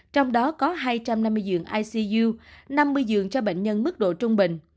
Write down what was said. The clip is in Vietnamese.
trong đó có hai trăm năm mươi giường icu năm mươi giường cho bệnh nhân mức độ trung bình